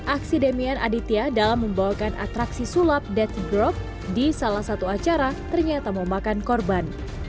aksi demian aditya dalam membawakan atraksi sulap dead drop di salah satu acara ternyata memakan korban